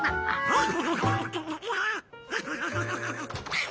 あっ。